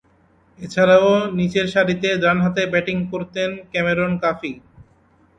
এছাড়াও, নিচেরসারিতে ডানহাতে ব্যাটিং করতেন ক্যামেরন কাফি।